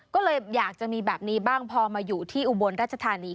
ก็เลยอยากจะมีแบบนี้บ้างพอมาอยู่ที่อุบลรัชธานี